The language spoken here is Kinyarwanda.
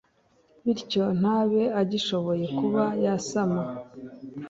bityo ntabe agishoboye kuba yasama